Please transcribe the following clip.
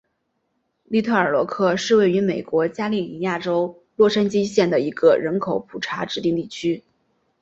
利特尔罗克是位于美国加利福尼亚州洛杉矶县的一个人口普查指定地区。